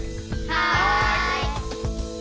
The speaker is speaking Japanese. はい！